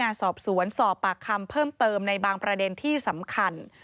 แล้วเราก็ไม่ได้รับสารภาพครับ